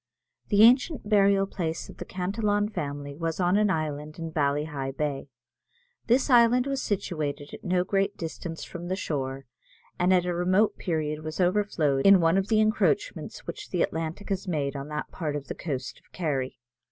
The ancient burial place of the Cantillon family was on an island in Ballyheigh Bay. This island was situated at no great distance from the shore, and at a remote period was overflowed in one of the encroachments which the Atlantic has made on that part of the coast of Kerry.